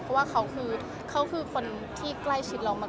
เพราะว่าเขาคือเขาคือคนที่ใกล้ชิดเรามาก